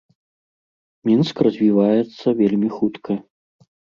Мінск развіваецца вельмі хутка.